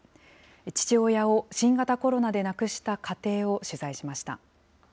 父親を新型コロナで亡くした家庭を取材しました。